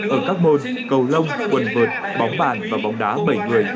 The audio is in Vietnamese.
ở các môn cầu lông quần vợt bóng bàn và bóng đá bảy người